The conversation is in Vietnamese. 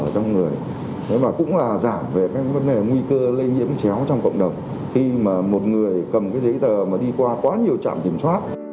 trong người và cũng là giảm về các vấn đề nguy cơ lây nhiễm chéo trong cộng đồng khi mà một người cầm cái giấy tờ mà đi qua quá nhiều trạm kiểm soát